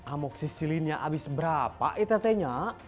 amoksisilinnya habis berapa itu tanya